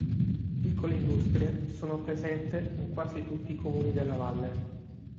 Piccole industrie sono presente in quasi tutti i comuni della valle.